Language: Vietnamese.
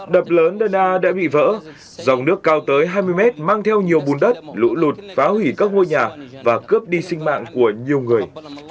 đập lớn đơn a đã bị vỡ dòng nước cao tới hai mươi mét mang theo nhiều bùn đất lũ lụt phá hủy các ngôi nhà và cướp đi sinh mạng của nhiều người